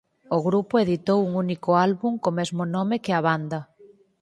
O grupo editou un único álbum co mesmo nome que a banda.